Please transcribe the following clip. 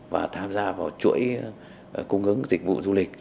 và tham gia vào chuỗi cung ứng dịch vụ du lịch